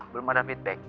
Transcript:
belum ada feedback